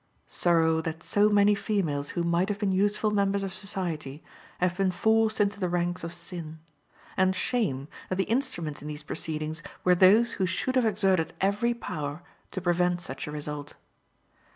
Sorrow, that so many females who might have been useful members of society have been forced into the ranks of sin; and shame, that the instruments in these proceedings were those who should have exerted every power to prevent such a result.